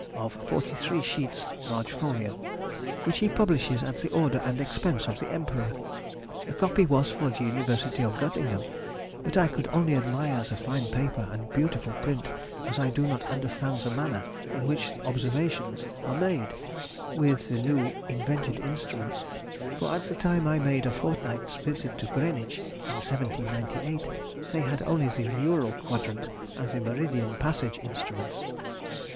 of forty three sheets large folio), which he publishes at the order and expense of the Emperor. The copy was for the University of Göttingen; but I could only admire the fine paper and beautiful print, as I do not understand the manner in which observations are made with the new invented instruments, for at the time I made a fortnight's visit to Greenwich, in 1798, they had only the mural quadrant and the meridian passage instruments.